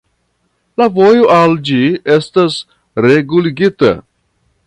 La vojo al ĝi estas reguligita.